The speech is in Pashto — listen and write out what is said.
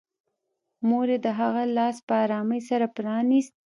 مور یې د هغه لاس په ارامۍ سره پرانيست